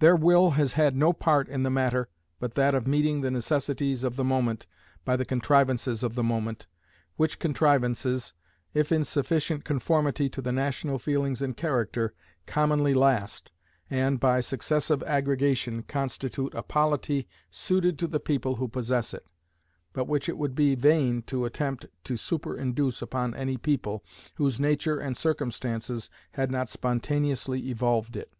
Their will has had no part in the matter but that of meeting the necessities of the moment by the contrivances of the moment, which contrivances, if in sufficient conformity to the national feelings and character, commonly last, and, by successive aggregation, constitute a polity suited to the people who possess it, but which it would be vain to attempt to superinduce upon any people whose nature and circumstances had not spontaneously evolved it.